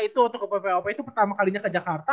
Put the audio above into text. itu atau ke ppop itu pertama kalinya ke jakarta